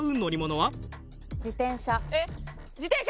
自転車。